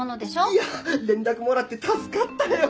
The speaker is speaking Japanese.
いや連絡もらって助かったよ。